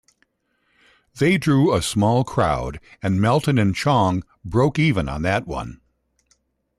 They drew a small crowd and Melton and Chong broke even on that one.